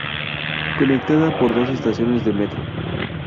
Conectada por dos estaciones de metro.